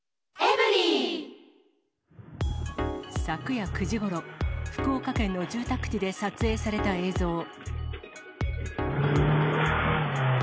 昨夜９時ごろ、福岡県の住宅地で撮影された映像。